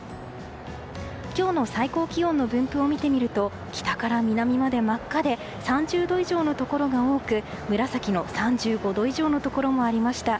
今日の最高気温の分布を見てみると北から南まで真っ赤で３０度以上のところが多く紫の３５度以上のところもありました。